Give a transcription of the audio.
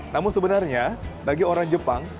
namun sebenarnya bagi orang jepang